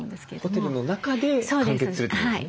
ホテルの中で完結するってことですね。